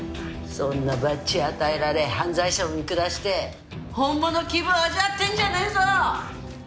そんなバッジ与えられ犯罪者を見下して本物気分を味わってんじゃねえぞ。